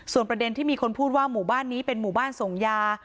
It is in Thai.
ประเด็นที่มีคนพูดว่าหมู่บ้านนี้เป็นหมู่บ้านส่งยา